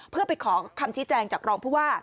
เพื่อไปขอคำชี้แจงจากรองผู้ว่า